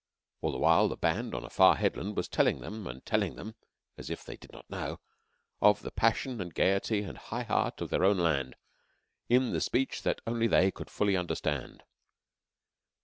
All the while, the band, on a far headland, was telling them and telling them (as if they did not know!) of the passion and gaiety and high heart of their own land in the speech that only they could fully understand.